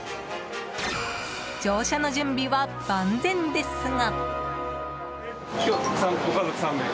乗車の準備は万全ですが。